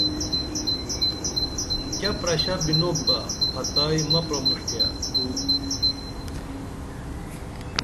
کیہ پرݜہ بِنوپ بہ پھتائی مہ پرمُݜٹیہ تو